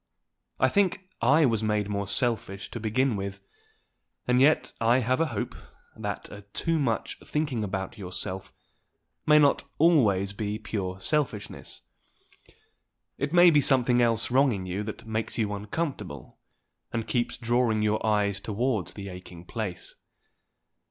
I think I was made more selfish to begin with; and yet I have a hope that a too much thinking about yourself may not always be pure selfishness. It may be something else wrong in you that makes you uncomfortable, and keeps drawing your eyes towards the aching place.